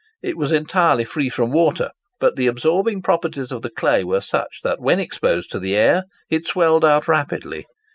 It was entirely free from water; but the absorbing properties of the clay were such that when exposed to the air it swelled out rapidly.